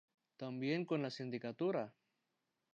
Tambien con la sindicatura.